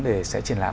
để sẽ triển lãm